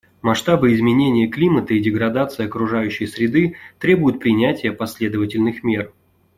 Масштабы изменения климата и деградации окружающей среды требуют принятия последовательных мер.